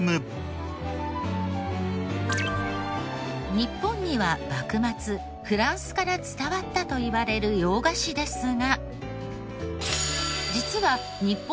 日本には幕末フランスから伝わったといわれる洋菓子ですが。